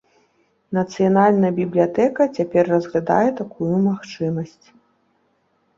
Нацыянальная бібліятэка цяпер разглядае такую магчымасць.